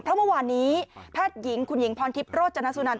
เพราะเมื่อวานนี้แพทย์หญิงคุณหญิงพรทิพย์โรจนสุนัน